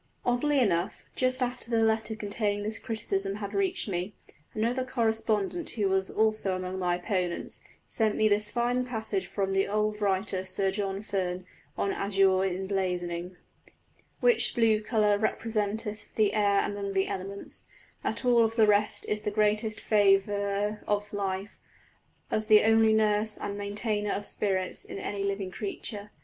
Oddly enough just after the letter containing this criticism had reached me, another correspondent who was also among my opponents, sent me this fine passage from the old writer Sir John Ferne, on azure in blazoning: "Which blew colour representeth the Aire amongst the elements, that of all the rest is the greatest favourer of life, as the only nurse and maintainer of spirits in any living creature.